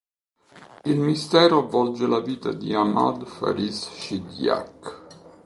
Il mistero avvolge la vita di Ahmad Faris Shidyaq.